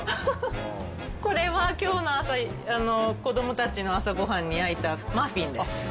これはきょうの朝、子どもたちの朝ごはんに焼いたマフィンです。